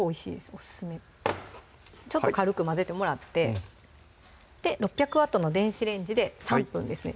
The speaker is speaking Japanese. オススメちょっと軽く混ぜてもらって６００Ｗの電子レンジで３分ですね